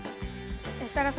設楽さん